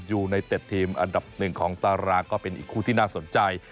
ยูไนเต็ดทีมอันดับหนึ่งของตารางก็เป็นอีกคู่ที่น่าสนใจ